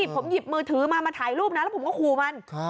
ผมหยิบมือถือมามาถ่ายรูปนะแล้วผมก็ขู่มัน